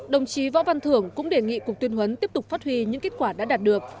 đồng chí võ văn thưởng cũng đề nghị cục tuyên huấn tiếp tục phát huy những kết quả đã đạt được